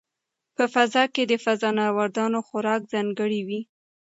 په فضا کې د فضانوردانو خوراک ځانګړی وي.